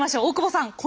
大久保さん